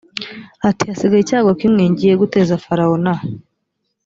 ati hasigaye icyago kimwe ngiye guteza farawo na